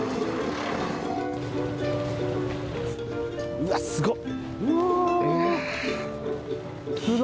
うわすごっ。